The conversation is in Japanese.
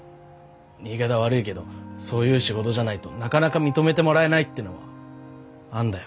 言い方悪いけどそういう仕事じゃないとなかなか認めてもらえないっていうのはあんだよ。